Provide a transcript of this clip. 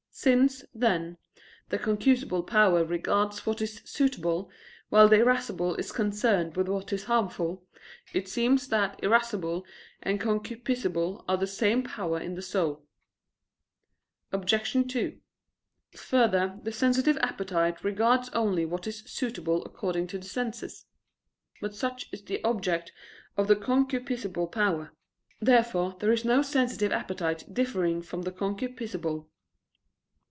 Since, then, the concupiscible power regards what is suitable, while the irascible is concerned with what is harmful, it seems that irascible and concupiscible are the same power in the soul. Obj. 2: Further, the sensitive appetite regards only what is suitable according to the senses. But such is the object of the concupiscible power. Therefore there is no sensitive appetite differing from the concupiscible.